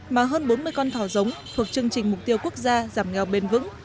mà hơn bốn mươi con thỏ giống thuộc chương trình mục tiêu quốc gia giảm nghèo bền vững